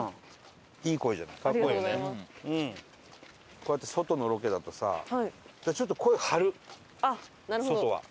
こうやって外のロケだとさだからちょっと声を張る外は。